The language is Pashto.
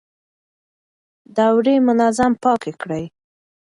دوړې منظم پاکې کړئ.